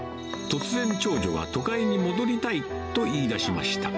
突然、長女が都会に戻りたいと言いだしました。